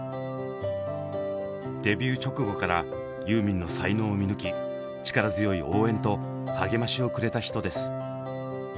デビュー直後からユーミンの才能を見抜き力強い応援と励ましをくれた人です。